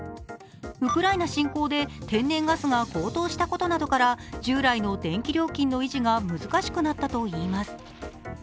ウクライナ侵攻で天然ガスが高騰したことなどから従来の電気料金の維持が難しくなったといいます。